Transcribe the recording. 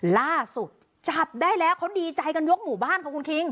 ล่าสุดจับได้แล้วเขาดีใจกันยกหมู่บ้านค่ะคุณคิง